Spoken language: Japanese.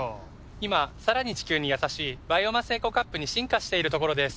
今さらに地球にやさしいバイオマスエコカップに進化しているところです。